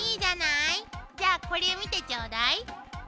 じゃあこれ見てちょうだい。